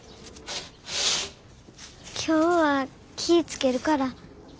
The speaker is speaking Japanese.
今日は気ぃ付けるから。